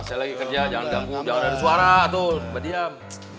saya lagi kerja jangan ganggu jangan ada suara tuh berdiam